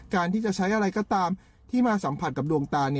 การที่จะใช้อะไรก็ตามที่มาสัมผัสกับดวงตา